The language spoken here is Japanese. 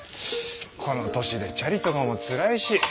この年でチャリとかもつらいし。